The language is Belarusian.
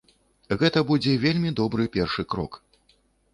Гэта будзе вельмі добры першы крок.